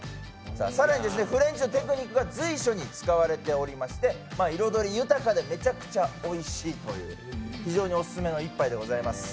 更にフレンチのテクニックが随所に使われておりまして、めちゃくちゃおいしいという、非常にオススメの一杯でございます。